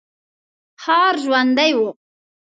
ښار ژوندی و.